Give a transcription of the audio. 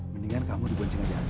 mendingan kamu diboncing aja